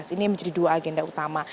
ini menjadi dua agenda utama